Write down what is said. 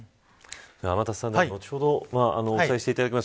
天達さん、また後ほどお伝えしていただきます。